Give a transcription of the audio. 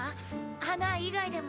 花以外でも。